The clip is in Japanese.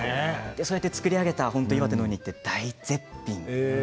そうやって作り上げられた岩手のウニは大絶品。